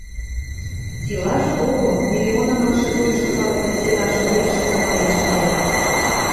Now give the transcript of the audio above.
Силажы кого: миллионын ылшы труйышы халыкын силажым йӹржӹ цымырен шӹнден.